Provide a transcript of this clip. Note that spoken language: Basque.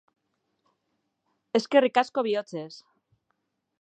Eskerrik asko, bihotzez.